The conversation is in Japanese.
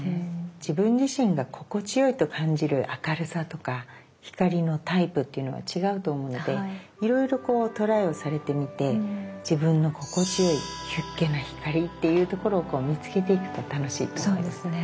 自分自身が心地よいと感じる明るさとか光のタイプっていうのは違うと思うのでいろいろこうトライをされてみて自分の心地よいヒュッゲな光っていうところを見つけていくと楽しいと思います。